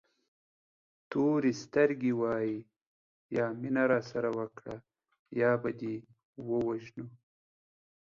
تورې سترګې وایي یا مینه راسره وکړه یا به دې ووژنو.